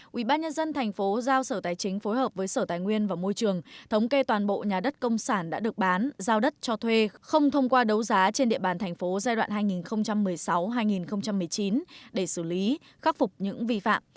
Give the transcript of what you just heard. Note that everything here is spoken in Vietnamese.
ubnd tp giao sở tài chính phối hợp với sở tài nguyên và môi trường thống kê toàn bộ nhà đất công sản đã được bán giao đất cho thuê không thông qua đấu giá trên địa bàn thành phố giai đoạn hai nghìn một mươi sáu hai nghìn một mươi chín để xử lý khắc phục những vi phạm